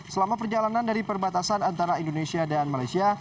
selama perjalanan dari perbatasan antara indonesia dan malaysia